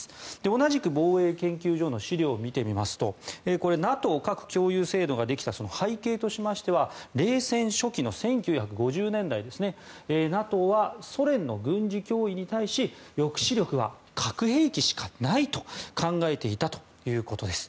同じく防衛研究所の資料を見てみますとＮＡＴＯ核共有制度ができた背景としましては冷戦初期の１９５０年代ですがＮＡＴＯはソ連の軍事脅威に対し抑止力は核兵器しかないと考えていたということです。